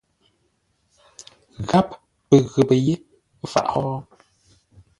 Gháp pə ghəpə́ yé faʼ wó.